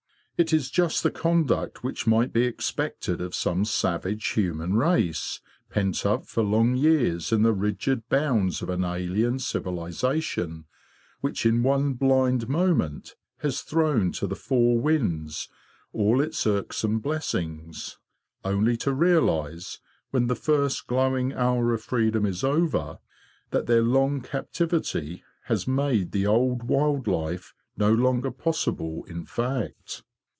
It is just the conduct which might be expected of some savage human race, pent up for long years in the rigid bounds of an alien civilisation, which in one blind moment has thrown to the four winds all its irksome blessings, only to realise, when the first glowing hour of freedom is over, that their long captivity has made the old wild life no longer possible in fact.